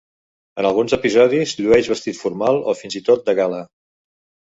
En alguns episodis llueix vestit formal o fins i tot de gala.